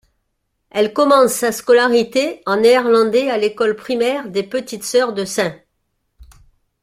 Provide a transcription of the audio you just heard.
Elle commence sa scolarité en néerlandais à l'école primaire des Petites Sœurs de St.